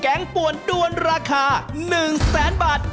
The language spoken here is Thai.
แกงปวนด้วนราคา๑๐๐๐๐๐บาท